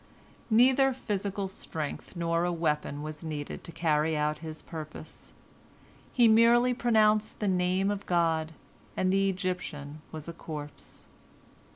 Neither physical strength nor a weapon was needed to carry out his purpose. He merely pronounced the Name of God, and the Egyptian was a corpse.